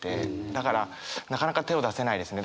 だからなかなか手を出せないですね。